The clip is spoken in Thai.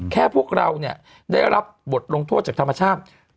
พวกเราเนี่ยได้รับบทลงโทษจากธรรมชาติ